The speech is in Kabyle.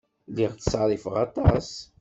Lliɣ ttṣerrifeɣ aṭas.